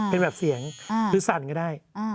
เป็นแบบเสียงหรือสั่นก็ได้